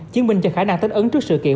chiến minh cho khả năng tính ứng trước sự kiện